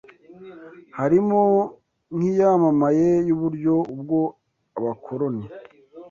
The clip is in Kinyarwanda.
harimo nk’iyamamaye y’uburyo ubwo Abakoloni